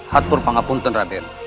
hatpur pangapunten raden